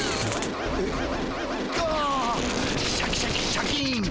シャキシャキシャキン！